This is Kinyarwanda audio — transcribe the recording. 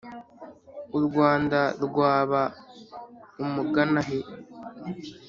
u rwanda rwaba umuganahe